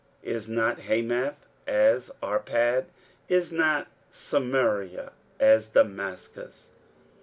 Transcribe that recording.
is not Hamath as Arpad? is not Samaria as Damascus?